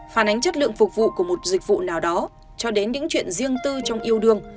phản ánh chất lượng phục vụ của một dịch vụ nào đó cho đến những chuyện riêng tư trong yêu đương